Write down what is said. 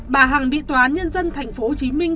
bà hằng bị tòa nhân dân thành phố hồ chí minh